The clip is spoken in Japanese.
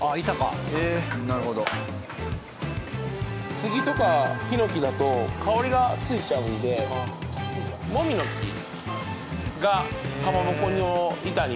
スギとかヒノキだと香りがついちゃうのでもみの木がかまぼこの板には向いてる。